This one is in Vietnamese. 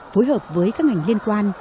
phối hợp với các ngành liên quan